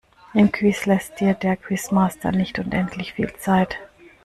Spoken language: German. Im Quiz lässt dir der Quizmaster nicht unendlich viel Zeit.